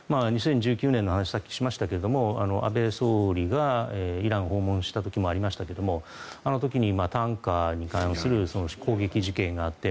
２０１９年の話をさっきしましたが安倍総理がイランを訪問した時もありましたけどあの時にタンカーに関与する攻撃事件があって